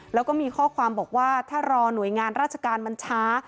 แล้วก็มีข้อความบอกว่าถ้ารอหน่วยงานราชการมันช้า